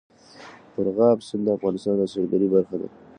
مورغاب سیند د افغانستان د سیلګرۍ برخه ده.